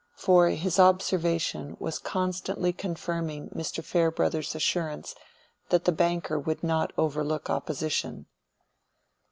For his observation was constantly confirming Mr. Farebrother's assurance that the banker would not overlook opposition.